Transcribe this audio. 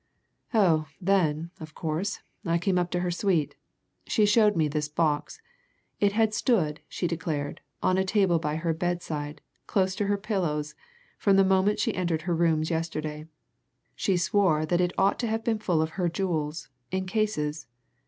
"Oh, then, of course, I came up to her suite. She showed me this box. It had stood, she declared, on a table by her bedside, close to her pillows, from the moment she entered her rooms yesterday. She swore that it ought to have been full of her jewels in cases.